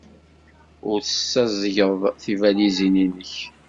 Ur tessaẓyed tibalizin-nnek.